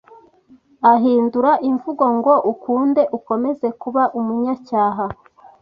ahindura imvugo ngo ukunde ukomeze kuba umunyacyaha.